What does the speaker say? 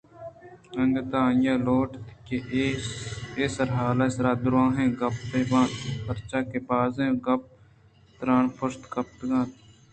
انگتءَآئی ءَ لوٹ اِت کہ اے سرحال ءِ سرادُرٛاہیں گپ بہ بنت پرچاکہ بازیں گپ ءُترٛان پشت کپتگ اِت اَنت